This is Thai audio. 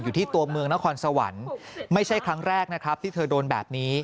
อยู่ที่ตัวเมืองนครสวรรค์ไม่ใช่ครั้งแรกนะครับที่เธอโดนแบบนี้